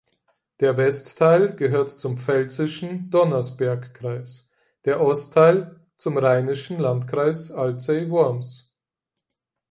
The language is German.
Der Westteil gehört zum pfälzischen Donnersbergkreis, der Ostteil zum rheinhessischen Landkreis Alzey-Worms.